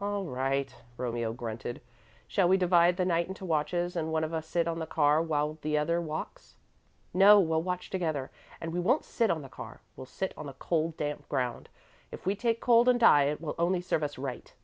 "All right," Romeo grunted. "Shall we divide the night into watches and one of us sit on the car while the other walks?" "No, we'll watch together, and we won't sit on the car we'll sit on the cold, damp ground. If we take cold and die it will only serve us right."